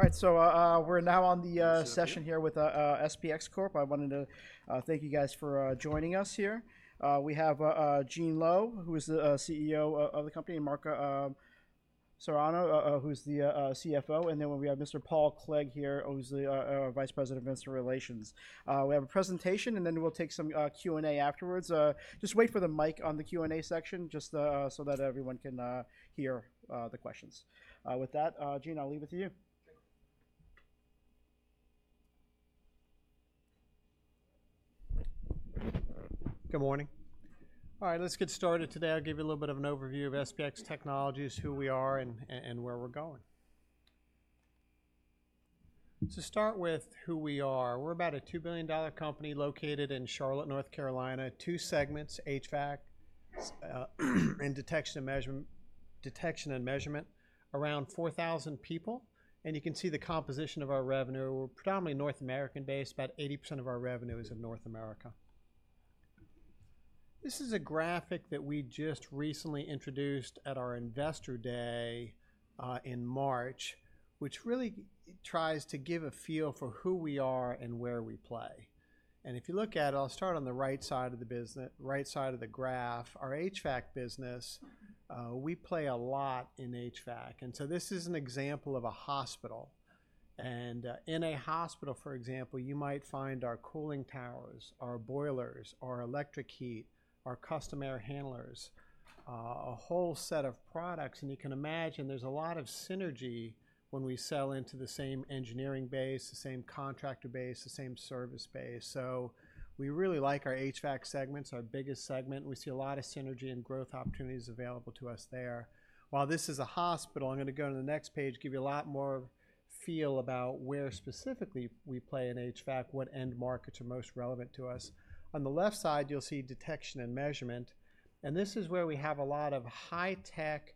All right, so, we're now on the session here with SPX Corp. I wanted to thank you guys for joining us here. We have Gene Lowe, who is the CEO of the company, and Mark Carano, who's the CFO, and then we have Mr. Paul Clegg here, who's the Vice President of Investor Relations. We have a presentation, and then we'll take some Q&A afterwards. Just wait for the mic on the Q&A section, just so that everyone can hear the questions. With that, Gene, I'll leave it to you. Good morning. All right, let's get started today. I'll give you a little bit of an overview of SPX Technologies, who we are and where we're going. To start with who we are, we're about a $2 billion company located in Charlotte, North Carolina. Two segments, HVAC, and Detection and Measurement. Around 4,000 people, and you can see the composition of our revenue. We're predominantly North American-based. About 80% of our revenue is in North America. This is a graphic that we just recently introduced at our Investor Day in March, which really tries to give a feel for who we are and where we play. And if you look at it, I'll start on the right side of the graph, our HVAC business. We play a lot in HVAC, and so this is an example of a hospital. In a hospital, for example, you might find our cooling towers, our boilers, our electric heat, our custom air handlers, a whole set of products, and you can imagine there's a lot of synergy when we sell into the same engineering base, the same contractor base, the same service base. So we really like our HVAC segment. It's our biggest segment, and we see a lot of synergy and growth opportunities available to us there. While this is a hospital, I'm gonna go to the next page, give you a lot more feel about where specifically we play in HVAC, what end markets are most relevant to us. On the left side, you'll see Detection and Measurement, and this is where we have a lot of high tech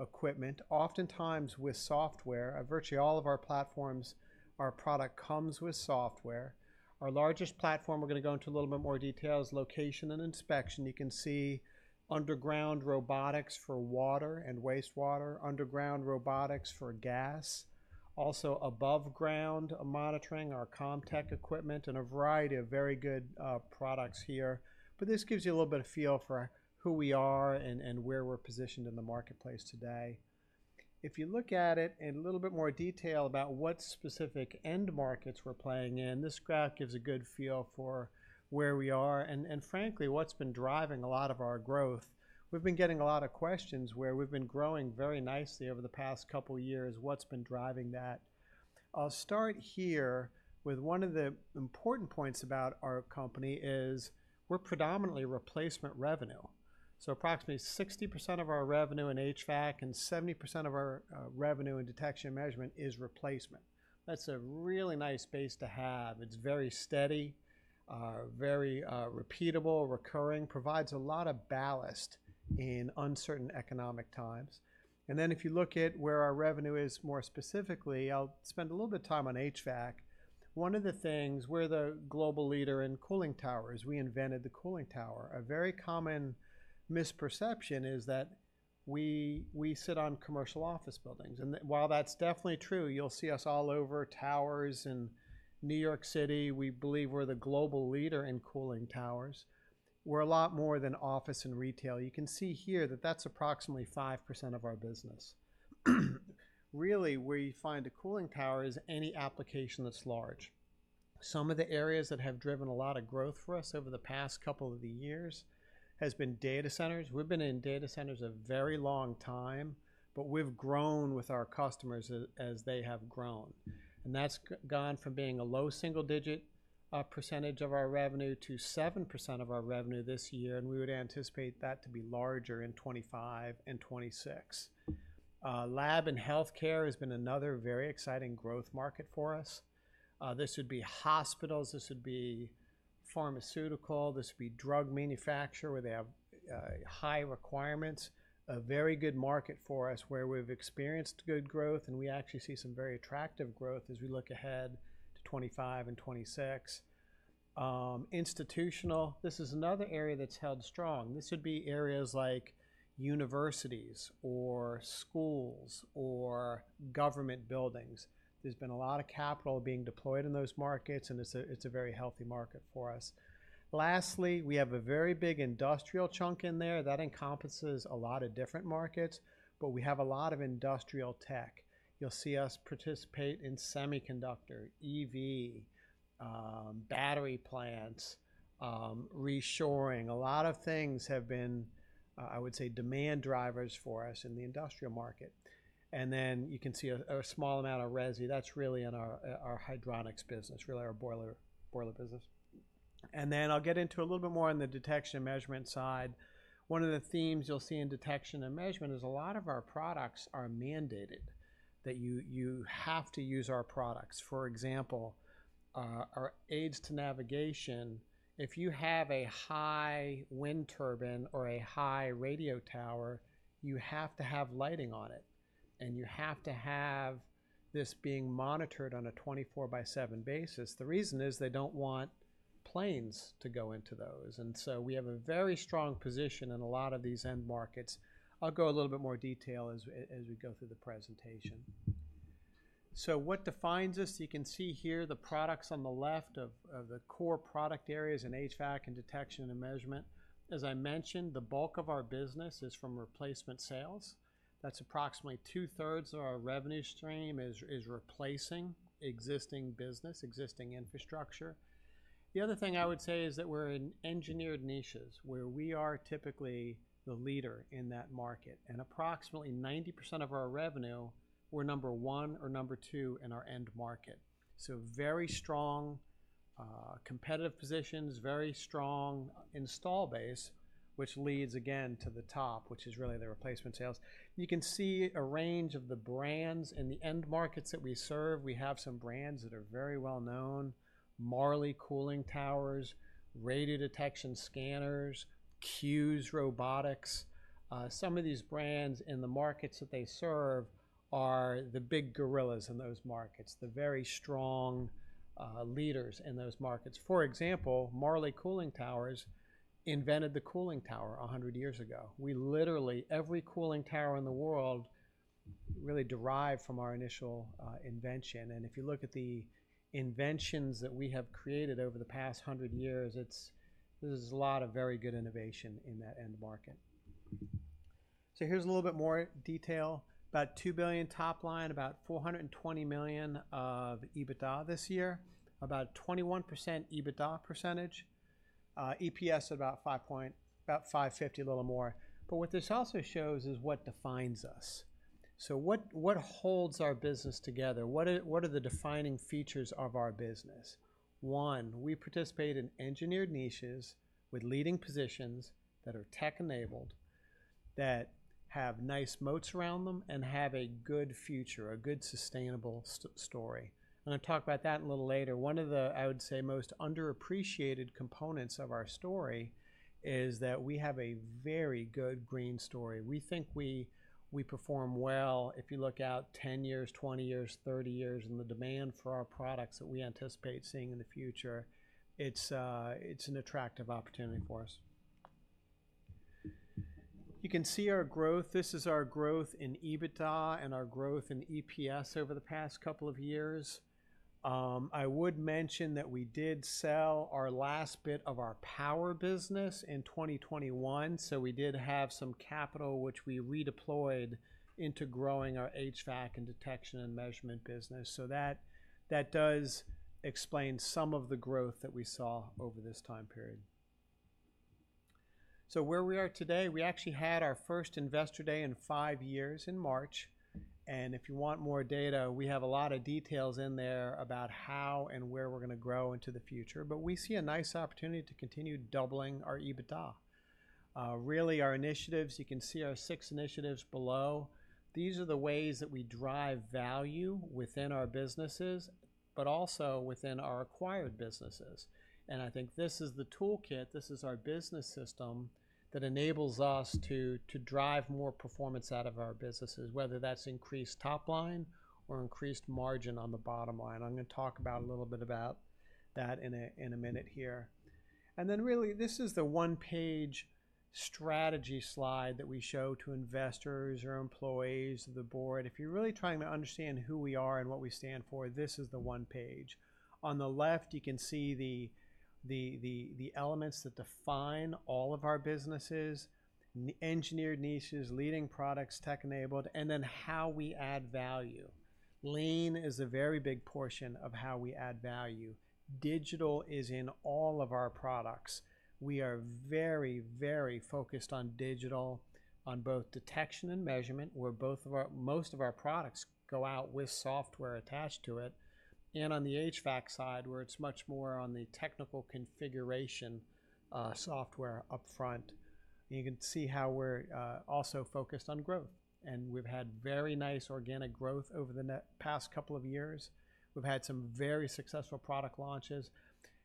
equipment, oftentimes with software. Virtually all of our platforms, our product comes with software. Our largest platform, we're gonna go into a little bit more detail, is Location and Inspection. You can see underground robotics for water and wastewater, underground robotics for gas. Also, aboveground monitoring, our CommTech equipment, and a variety of very good products here. But this gives you a little bit of feel for who we are and where we're positioned in the marketplace today. If you look at it in a little bit more detail about what specific end markets we're playing in, this graph gives a good feel for where we are and frankly, what's been driving a lot of our growth. We've been getting a lot of questions where we've been growing very nicely over the past couple years. What's been driving that? I'll start here with one of the important points about our company is we're predominantly replacement revenue, so approximately 60% of our revenue in HVAC and 70% of our revenue in Detection and Measurement is replacement. That's a really nice base to have. It's very steady, very repeatable, recurring, provides a lot of ballast in uncertain economic times. And then if you look at where our revenue is more specifically, I'll spend a little bit of time on HVAC. One of the things, we're the global leader in cooling towers. We invented the cooling tower. A very common misperception is that we sit on commercial office buildings, and while that's definitely true, you'll see us all over towers in New York City. We believe we're the global leader in cooling towers. We're a lot more than office and retail. You can see here that that's approximately 5% of our business. Really, where you find a cooling tower is any application that's large. Some of the areas that have driven a lot of growth for us over the past couple of years has been data centers. We've been in data centers a very long time, but we've grown with our customers as they have grown, and that's gone from being a low single-digit percentage of our revenue to 7% of our revenue this year, and we would anticipate that to be larger in 2025 and 2026. Lab and healthcare has been another very exciting growth market for us. This would be hospitals, this would be pharmaceutical, this would be drug manufacture, where they have high requirements. A very good market for us, where we've experienced good growth, and we actually see some very attractive growth as we look ahead to 2025 and 2026. Institutional, this is another area that's held strong. This would be areas like universities or schools or government buildings. There's been a lot of capital being deployed in those markets, and it's a very healthy market for us. Lastly, we have a very big industrial chunk in there. That encompasses a lot of different markets, but we have a lot of industrial tech. You'll see us participate in semiconductor, EV, battery plants, reshoring. A lot of things have been, I would say, demand drivers for us in the industrial market. And then you can see a small amount of resi. That's really in our our hydronics business, really our boiler business. And then I'll get into a little bit more on the Detection and Measurement side. One of the themes you'll see in Detection and Measurement is a lot of our products are mandated, that you have to use our products. For example, our Aids to Navigation, if you have a high wind turbine or a high radio tower, you have to have lighting on it, and you have to have this being monitored on a 24/7 basis. The reason is they don't want planes to go into those, and so we have a very strong position in a lot of these end markets. I'll go a little bit more detail as we go through the presentation. So what defines us? You can see here the products on the left of the core product areas in HVAC and Detection and Measurement. As I mentioned, the bulk of our business is from replacement sales. That's approximately 2/3 of our revenue stream is replacing existing business, existing infrastructure. The other thing I would say is that we're in engineered niches, where we are typically the leader in that market, and approximately 90% of our revenue, we're number one or number two in our end market. So very strong, competitive positions, very strong install base, which leads again to the top, which is really the replacement sales. You can see a range of the brands in the end markets that we serve. We have some brands that are very well known: Marley Cooling Towers, Radiodetection scanners, CUES robotics. Some of these brands in the markets that they serve are the big gorillas in those markets, the very strong, leaders in those markets. For example, Marley Cooling Towers invented the cooling tower a hundred years ago. We literally every cooling tower in the world really derived from our initial invention, and if you look at the inventions that we have created over the past hundred years, it's, there's a lot of very good innovation in that end market. So here's a little bit more detail. About $2 billion top line, about $420 million of EBITDA this year. About 21% EBITDA percentage, EPS about $5.50, a little more. But what this also shows is what defines us. So what holds our business together? What are the defining features of our business? One, we participate in engineered niches with leading positions that are tech-enabled, that have nice moats around them, and have a good future, a good sustainable story. I'm gonna talk about that a little later. One of the, I would say, most underappreciated components of our story is that we have a very good green story. We think we perform well. If you look out 10 years, 20 years, 30 years, and the demand for our products that we anticipate seeing in the future, it's an attractive opportunity for us. You can see our growth. This is our growth in EBITDA and our growth in EPS over the past couple of years. I would mention that we did sell our last bit of our power business in 2021, so we did have some capital, which we redeployed into growing our HVAC and Detection and Measurement business. So that does explain some of the growth that we saw over this time period. So where we are today, we actually had our first investor day in five years in March, and if you want more data, we have a lot of details in there about how and where we're gonna grow into the future. But we see a nice opportunity to continue doubling our EBITDA. Really, our initiatives, you can see our six initiatives below. These are the ways that we drive value within our businesses, but also within our acquired businesses, and I think this is the toolkit, this is our business system that enables us to drive more performance out of our businesses, whether that's increased top line or increased margin on the bottom line. I'm gonna talk about a little bit about that in a minute here. And then really, this is the one-page strategy slide that we show to investors or employees, the board. If you're really trying to understand who we are and what we stand for, this is the one page. On the left, you can see the elements that define all of our businesses, engineered niches, leading products, tech-enabled, and then how we add value. Lean is a very big portion of how we add value. Digital is in all of our products. We are very, very focused on digital, on both Detection and Measurement, where most of our products go out with software attached to it. On the HVAC side, where it's much more on the technical configuration, software up front. You can see how we're also focused on growth, and we've had very nice organic growth over the past couple of years. We've had some very successful product launches.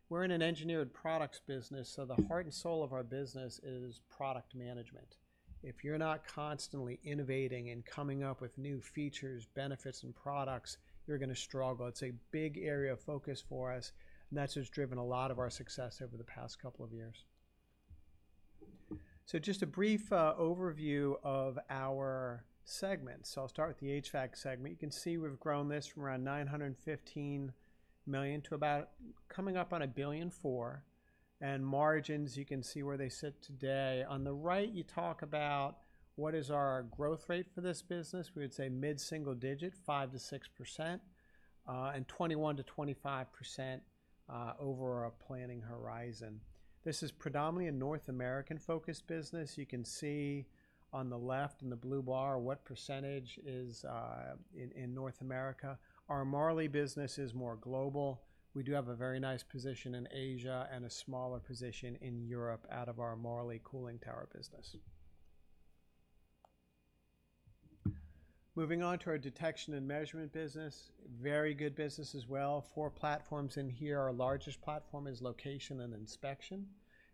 We're in an engineered products business, so the heart and soul of our business is product management. If you're not constantly innovating and coming up with new features, benefits, and products, you're gonna struggle. It's a big area of focus for us, and that's just driven a lot of our success over the past couple of years. So just a brief overview of our segments. So I'll start with the HVAC segment. You can see we've grown this from around $915 million to about coming up on $1.4 billion. And margins, you can see where they sit today. On the right, you talk about what is our growth rate for this business. We would say mid-single digit, 5%-6%, and 21%-25% over our planning horizon. This is predominantly a North American-focused business. You can see on the left in the blue bar what percentage is in North America. Our Marley business is more global. We do have a very nice position in Asia and a smaller position in Europe out of our Marley Cooling Towers business. Moving on to our Detection and Measurement business, very good business as well. Four platforms in here. Our largest platform is Location and Inspection.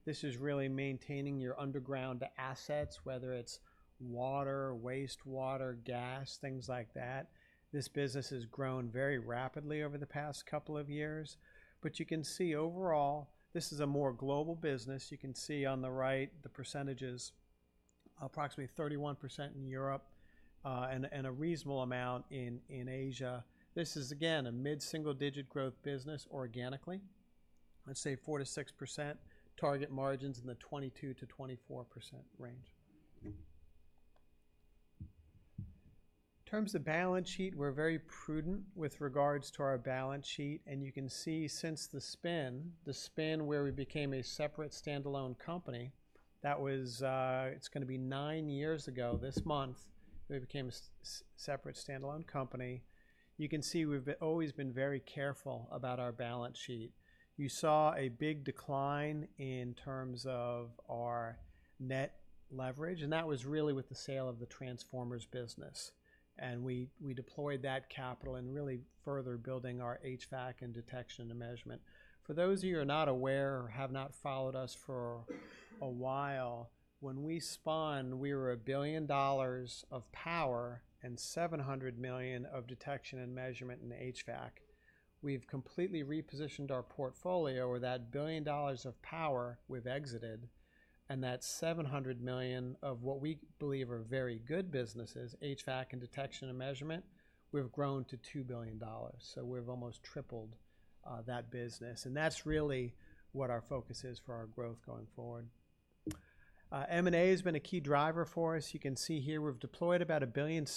This is really maintaining your underground assets, whether it's water, wastewater, gas, things like that. This business has grown very rapidly over the past couple of years, but you can see overall, this is a more global business. You can see on the right, the percentages approximately 31% in Europe, and a reasonable amount in Asia. This is, again, a mid-single-digit growth business organically. I'd say 4%-6%, target margins in the 22%-24% range. In terms of balance sheet, we're very prudent with regards to our balance sheet, and you can see since the spin where we became a separate standalone company, that was, it's gonna be nine years ago this month, we became a separate standalone company. You can see we've always been very careful about our balance sheet. You saw a big decline in terms of our net leverage, and that was really with the sale of the transformers business. And we deployed that capital in really further building our HVAC and Detection and Measurement. For those of you who are not aware or have not followed us for a while, when we spun, we were $1 billion of power and $700 million of Detection and Measurement in HVAC. We've completely repositioned our portfolio, where that $1 billion of power we've exited, and that $700 million of what we believe are very good businesses, HVAC and Detection and Measurement, we've grown to $2 billion. So we've almost tripled that business, and that's really what our focus is for our growth going forward. M&A has been a key driver for us. You can see here we've deployed about $1.6 billion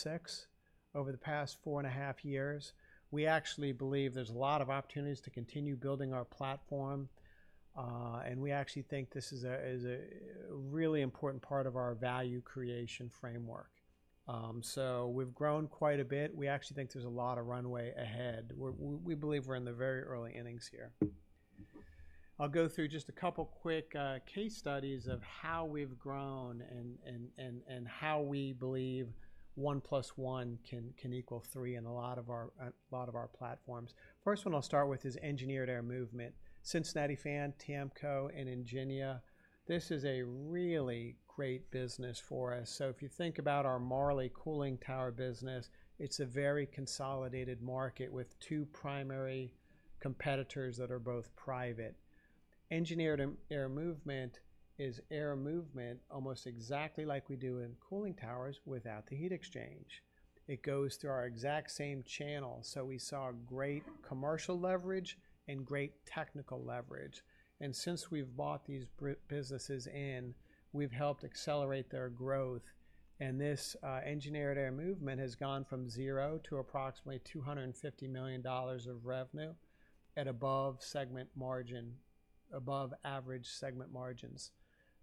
over the past four and a half years. We actually believe there's a lot of opportunities to continue building our platform, and we actually think this is a really important part of our value creation framework. So we've grown quite a bit. We actually think there's a lot of runway ahead. We believe we're in the very early innings here. I'll go through just a couple quick case studies of how we've grown and how we believe one plus one can equal three in a lot of our platforms. First one I'll start with is Engineered Air Movement. Cincinnati Fan, TAMCO, and Ingenia. This is a really great business for us, so if you think about our Marley cooling tower business, it's a very consolidated market with two primary competitors that are both private. Engineered Air Movement is air movement almost exactly like we do in cooling towers without the heat exchange. It goes through our exact same channel, so we saw great commercial leverage and great technical leverage, and since we've bought these businesses in, we've helped accelerate their growth. This Engineered Air Movement has gone from zero to approximately $250 million of revenue at above segment margin, above average segment margins.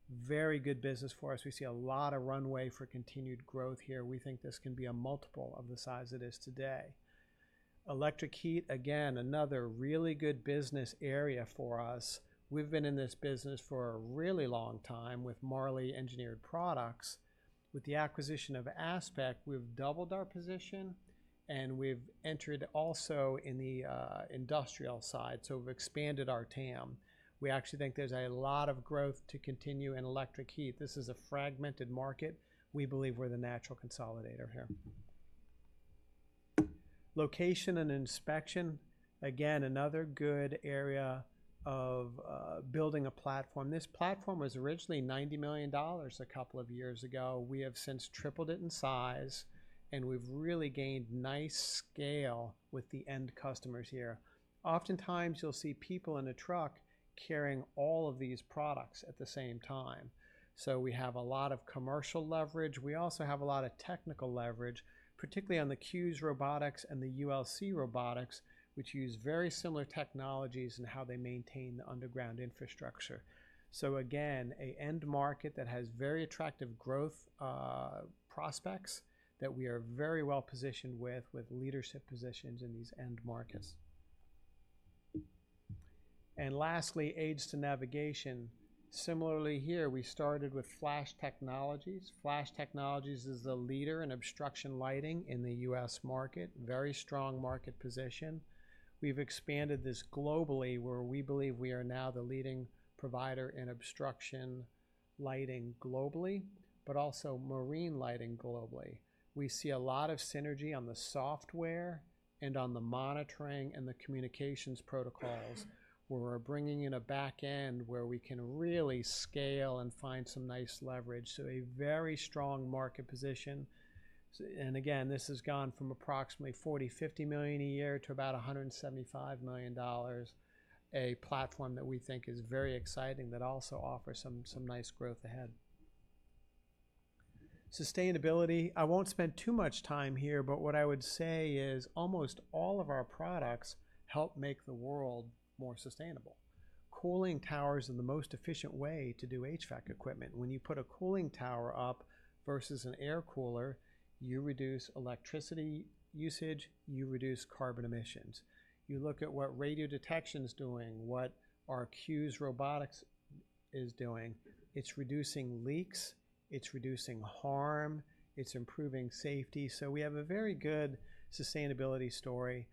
Very good business for us. We see a lot of runway for continued growth here. We think this can be a multiple of the size it is today. Electric heat, again, another really good business area for us. We've been in this business for a really long time with Marley Engineered Products. With the acquisition of Aspeq, we've doubled our position, and we've entered also in the industrial side, so we've expanded our TAM. We actually think there's a lot of growth to continue in electric heat. This is a fragmented market. We believe we're the natural consolidator here. Location and Inspection, again, another good area of building a platform. This platform was originally $90 million a couple of years ago. We have since tripled it in size, and we've really gained nice scale with the end customers here. Oftentimes, you'll see people in a truck carrying all of these products at the same time. So we have a lot of commercial leverage. We also have a lot of technical leverage, particularly on the CUES robotics and the ULC Robotics, which use very similar technologies in how they maintain the underground infrastructure. So again, an end market that has very attractive growth prospects that we are very well positioned with, with leadership positions in these end markets. And lastly, aids to navigation. Similarly, here, we started with Flash Technology. Flash Technology is the leader in obstruction lighting in the U.S. market. Very strong market position. We've expanded this globally, where we believe we are now the leading provider in obstruction lighting globally, but also marine lighting globally. We see a lot of synergy on the software and on the monitoring and the communications protocols, where we're bringing in a back end, where we can really scale and find some nice leverage. So a very strong market position. And again, this has gone from approximately $40 million-$50 million a year to about $175 million, a platform that we think is very exciting, that also offers some nice growth ahead. Sustainability, I won't spend too much time here, but what I would say is, almost all of our products help make the world more sustainable. Cooling towers are the most efficient way to do HVAC equipment. When you put a cooling tower up versus an air cooler, you reduce electricity usage, you reduce carbon emissions. You look at what Radiodetection is doing, what our CUES robotics is doing, it's reducing leaks, it's reducing harm, it's improving safety. So we have a very good sustainability story.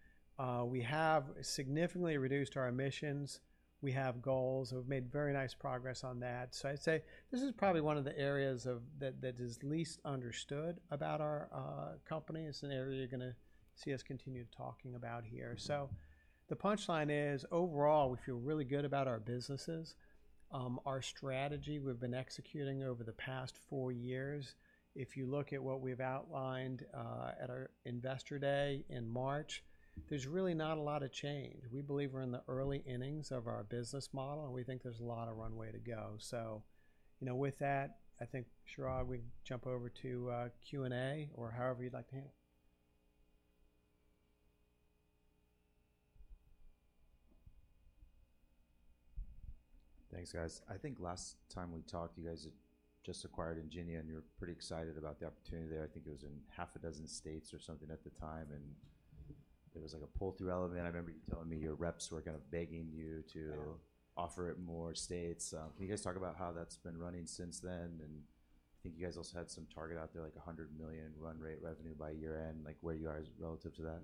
We have significantly reduced our emissions. We have goals, and we've made very nice progress on that. So I'd say this is probably one of the areas that is least understood about our company. It's an area you're gonna see us continue talking about here. So the punchline is, overall, we feel really good about our businesses. Our strategy we've been executing over the past four years, if you look at what we've outlined at our Investor Day in March, there's really not a lot of change. We believe we're in the early innings of our business model, and we think there's a lot of runway to go. So, you know, with that, I think, Chirag, we jump over to Q&A or however you'd like to handle it. Thanks, guys. I think last time we talked, you guys had just acquired Ingenia, and you were pretty excited about the opportunity there. I think it was in half a dozen states or something at the time, and there was, like, a pull-through element. I remember you telling me your reps were kind of begging you to offer it more states. Can you guys talk about how that's been running since then? And I think you guys also had some target out there, like a $100 million run rate revenue by year-end, like where you guys relative to that?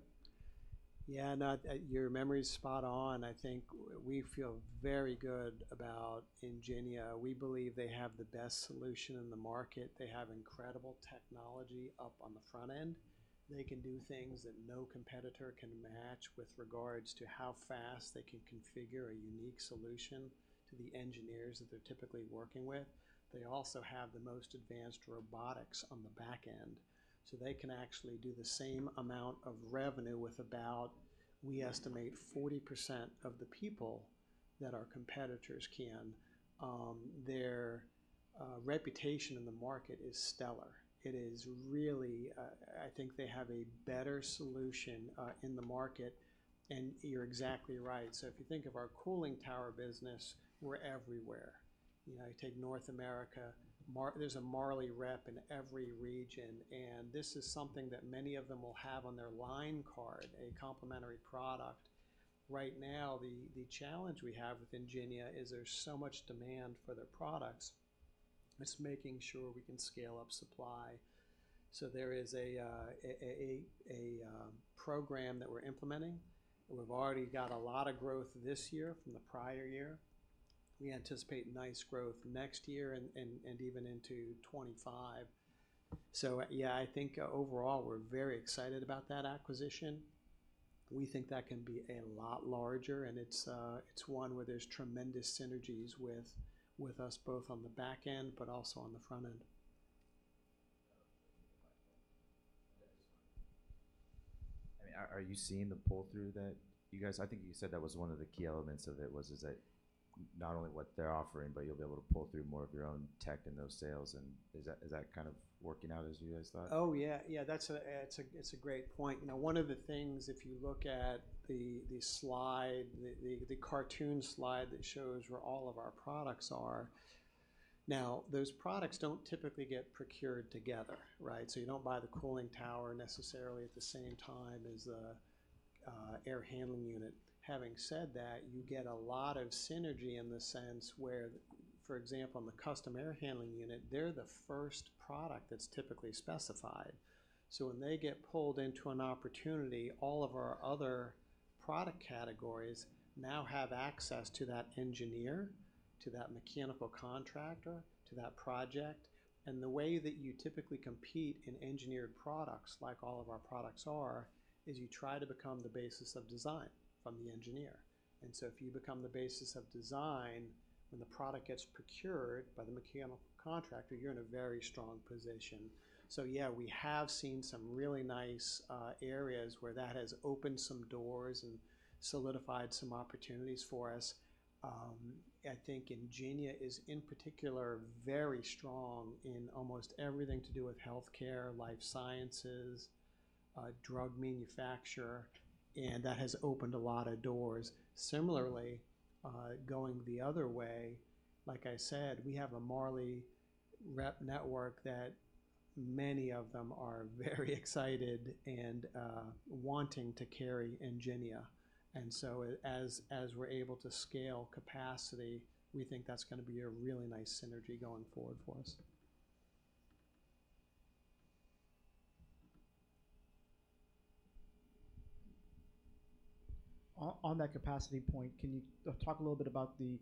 Yeah, no, your memory's spot on. I think we feel very good about Ingenia. We believe they have the best solution in the market. They have incredible technology up on the front end. They can do things that no competitor can match with regards to how fast they can configure a unique solution to the engineers that they're typically working with. They also have the most advanced robotics on the back end, so they can actually do the same amount of revenue with about, we estimate, 40% of the people that our competitors can. Their reputation in the market is stellar. It is really. I think they have a better solution in the market, and you're exactly right. So if you think of our cooling tower business, we're everywhere. You know, you take North America. There's a Marley rep in every region, and this is something that many of them will have on their line card, a complementary product. Right now, the challenge we have with Ingenia is there's so much demand for their products. It's making sure we can scale up supply. So there is a program that we're implementing. We've already got a lot of growth this year from the prior year. We anticipate nice growth next year and even into 2025. So yeah, I think overall, we're very excited about that acquisition. We think that can be a lot larger, and it's one where there's tremendous synergies with us, both on the back end but also on the front end. I mean, are you seeing the pull-through that you guys... I think you said that was one of the key elements of it, is that not only what they're offering, but you'll be able to pull through more of your own tech in those sales, and is that kind of working out as you guys thought? Oh, yeah. Yeah, that's a great point. You know, one of the things, if you look at the slide, the cartoon slide that shows where all of our products are, now, those products don't typically get procured together, right? So you don't buy the cooling tower necessarily at the same time as the air handling unit. Having said that, you get a lot of synergy in the sense where, for example, on the custom air handling unit, they're the first product that's typically specified. So when they get pulled into an opportunity, all of our other product categories now have access to that engineer, to that mechanical contractor, to that project. And the way that you typically compete in engineered products, like all of our products are, is you try to become the basis of design from the engineer. And so if you become the basis of design, when the product gets procured by the mechanical contractor, you're in a very strong position. So yeah, we have seen some really nice areas where that has opened some doors and solidified some opportunities for us. I think Ingenia is, in particular, very strong in almost everything to do with healthcare, life sciences, drug manufacture, and that has opened a lot of doors. Similarly, going the other way, like I said, we have a Marley rep network that many of them are very excited and wanting to carry Ingenia. And so as we're able to scale capacity, we think that's gonna be a really nice synergy going forward for us. On that capacity point, can you talk a little bit about the...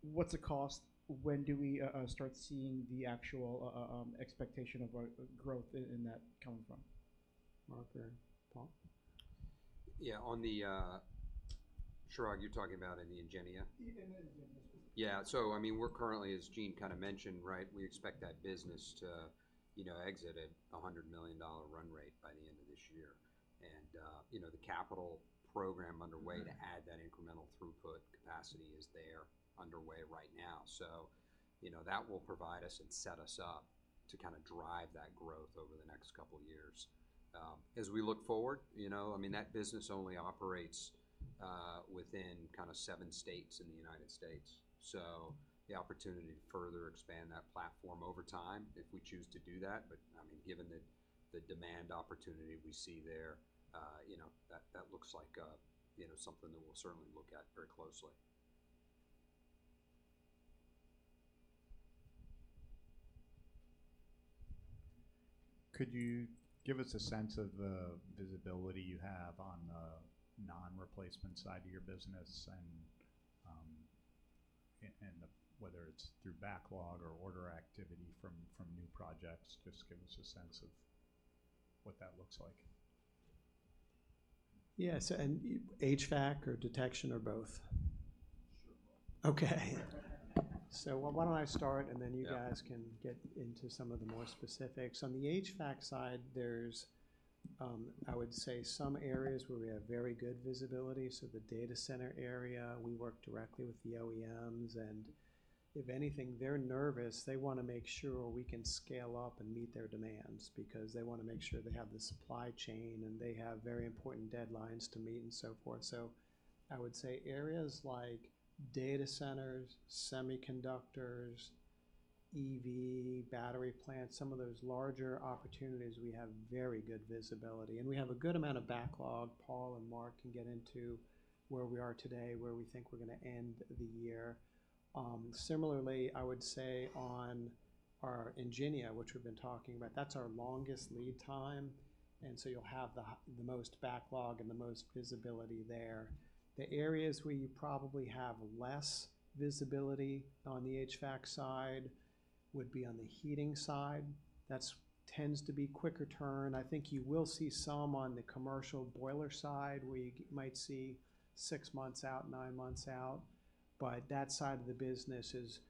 What's the cost? When do we start seeing the actual expectation of growth in that coming from? Mark or Paul? Yeah, on the, Chirag, you're talking about in the Ingenia? In Ingenia. Yeah. So I mean, we're currently, as Gene kind of mentioned, right? We expect that business to, you know, exit at a $100 million run rate by the end of this year. And, you know, the capital program underway to add that incremental throughput capacity is underway right now. So, you know, that will provide us and set us up to kind of drive that growth over the next couple of years. As we look forward, you know, I mean, that business only operates within kind of seven states in the United States. So the opportunity to further expand that platform over time, if we choose to do that, but I mean, given the demand opportunity we see there, you know, that looks like, you know, something that we'll certainly look at very closely. Could you give us a sense of the visibility you have on the non-replacement side of your business, and whether it's through backlog or order activity from new projects, just give us a sense of what that looks like? Yeah, so and HVAC or detection or both? Sure, both. Okay. So, well, why don't I start, and then you guys- can get into some of the more specifics. On the HVAC side, there's, I would say some areas where we have very good visibility, so the data center area, we work directly with the OEMs, and if anything, they're nervous. They wanna make sure we can scale up and meet their demands, because they wanna make sure they have the supply chain, and they have very important deadlines to meet and so forth. So I would say areas like data centers, semiconductors, EV, battery plants, some of those larger opportunities, we have very good visibility, and we have a good amount of backlog. Paul and Mark can get into where we are today, where we think we're gonna end the year. Similarly, I would say on our Ingenia, which we've been talking about, that's our longest lead time, and so you'll have the the most backlog and the most visibility there. The areas where you probably have less visibility on the HVAC side would be on the heating side. That tends to be quicker turn. I think you will see some on the commercial boiler side, where you might see six months out, nine months out, but that side of the business is,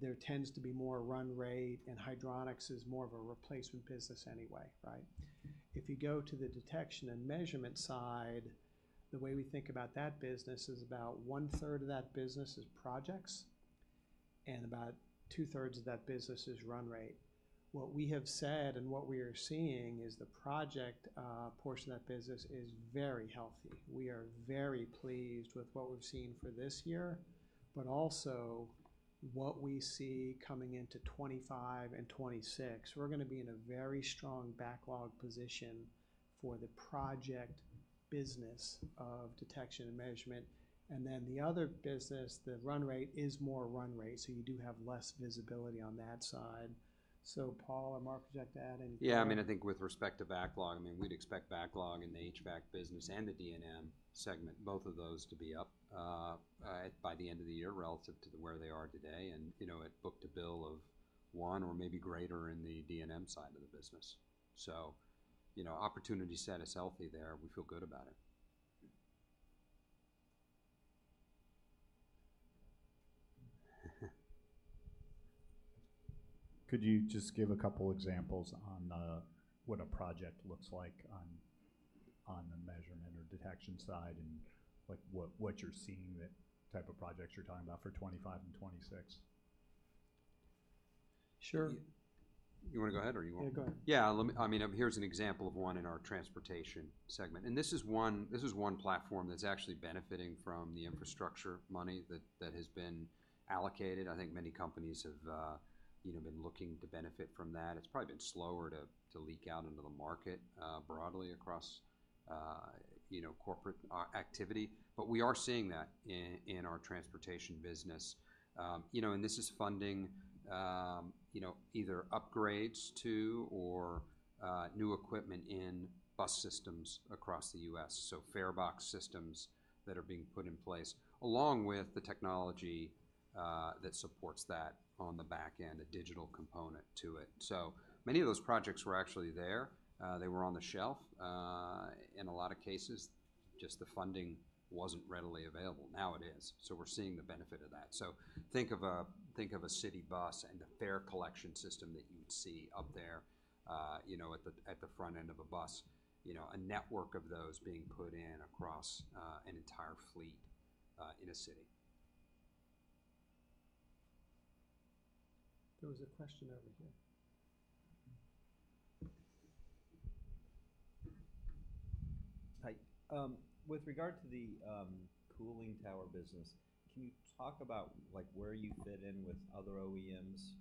there tends to be more run rate, and hydronics is more of a replacement business anyway, right? If you go to the Detection and Measurement side, the way we think about that business is about 1/3 of that business is projects, and about 2/3 of that business is run rate. What we have said and what we are seeing is the project portion of that business is very healthy. We are very pleased with what we've seen for this year, but also what we see coming into 2025 and 2026. We're gonna be in a very strong backlog position for the project business of Detection and Measurement, and then the other business, the run rate, is more run rate, so you do have less visibility on that side. So Paul or Mark, would you like to add anything? Yeah, I mean, I think with respect to backlog, I mean, we'd expect backlog in the HVAC business and the D&M segment, both of those to be up by the end of the year relative to where they are today, and, you know, at book-to-bill of one or maybe greater in the D&M side of the business. So, you know, opportunity set is healthy there. We feel good about it. Could you just give a couple examples on what a project looks like on the measurement or detection side, and like what you're seeing, the type of projects you're talking about for 2025 and 2026? Sure. You wanna go ahead or you want me- Yeah, go ahead. Yeah, let me. I mean, here's an example of one in our transportation segment, and this is one platform that's actually benefiting from the infrastructure money that has been allocated. I think many companies have, you know, been looking to benefit from that. It's probably been slower to leak out into the market broadly across, you know, corporate activity, but we are seeing that in our transportation business. You know, and this is funding, you know, either upgrades to or new equipment in bus systems across the U.S., so farebox systems that are being put in place, along with the technology that supports that on the back end, a digital component to it. So many of those projects were actually there. They were on the shelf, in a lot of cases, just the funding wasn't readily available. Now it is, so we're seeing the benefit of that. So think of a city bus and the fare collection system that you'd see up there, you know, at the front end of a bus. You know, a network of those being put in across an entire fleet in a city. There was a question over here. Hi. With regard to the cooling tower business, can you talk about, like, where you fit in with other OEMs,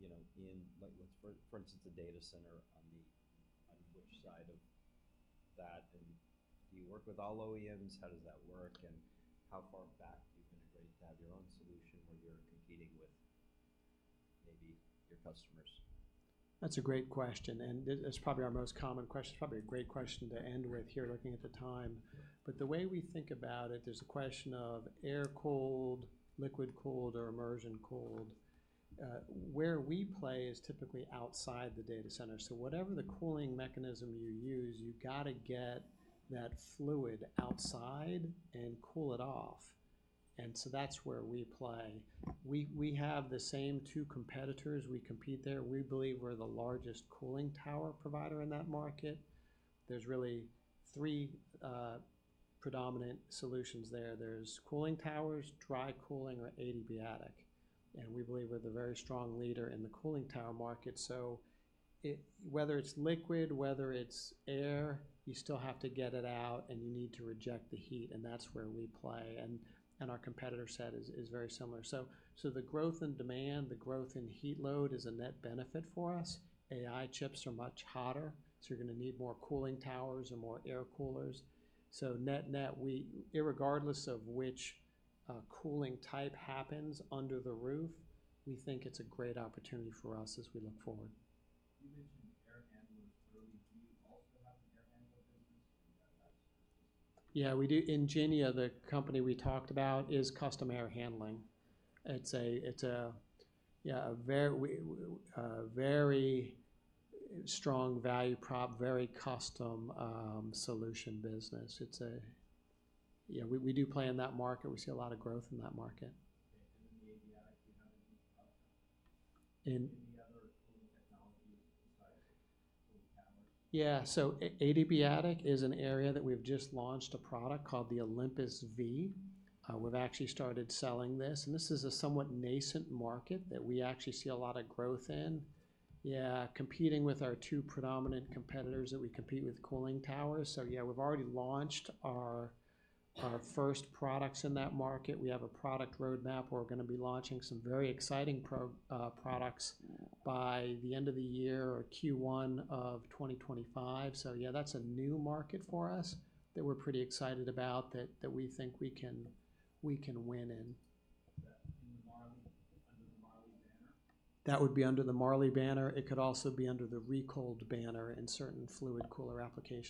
you know, in like with, for instance, a data center on which side of that, and do you work with all OEMs? How does that work, and how far back do you integrate to have your own solution where you're competing with maybe your customers? That's a great question, and it's probably our most common question. Probably a great question to end with here, looking at the time. But the way we think about it, there's a question of air-cooled, liquid-cooled, or immersion-cooled. Where we play is typically outside the data center. So whatever the cooling mechanism you use, you've got to get that fluid outside and cool it off, and so that's where we play. We have the same two competitors. We compete there. We believe we're the largest cooling tower provider in that market. There's really three predominant solutions there. There's cooling towers, dry cooling, or adiabatic, and we believe we're the very strong leader in the cooling tower market. So whether it's liquid, whether it's air, you still have to get it out, and you need to reject the heat, and that's where we play, and our competitor set is very similar. So the growth in demand, the growth in heat load is a net benefit for us. AI chips are much hotter, so you're gonna need more cooling towers and more air coolers. So net-net, we irregardless of which cooling type happens under the roof, we think it's a great opportunity for us as we look forward. You mentioned air handlers earlier. Do you also have an air handler business? Yeah, we do. Ingenia, the company we talked about, is custom air handling. It's a very strong value prop, very custom solution business. Yeah, we do play in that market. We see a lot of growth in that market. Okay, and then the adiabatic, you have any- Any other cooling technologies besides cooling towers? Yeah, so adiabatic is an area that we've just launched a product called the Olympus V. We've actually started selling this, and this is a somewhat nascent market that we actually see a lot of growth in. Yeah, competing with our two predominant competitors that we compete with cooling towers. So yeah, we've already launched our first products in that market. We have a product roadmap. We're gonna be launching some very exciting products by the end of the year or Q1 of 2025. So yeah, that's a new market for us that we're pretty excited about, that we think we can win in. Is that in the Marley, under the Marley banner? That would be under the Marley banner. It could also be under the Recold banner in certain fluid cooler applications.